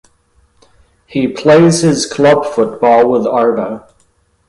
He plays his club football with Arva.